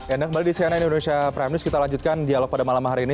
anda kembali di cnn indonesia prime news kita lanjutkan dialog pada malam hari ini